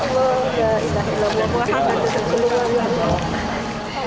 ya allah ya allah